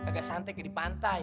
agak santai kayak di pantai